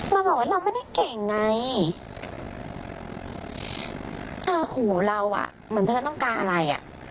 เราบอกว่าเราไม่ได้เก่งไงเออขู่เราอ่ะเหมือนเธอต้องการอะไรอ่ะ